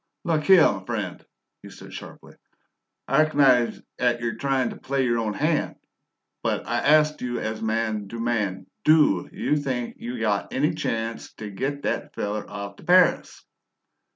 "Luk here, m'friend," he said sharply "I reco'nise 'at you're tryin' t' play your own hand, but I ast you as man to man: DO you think you got any chanst t' git that feller off t' Paris?"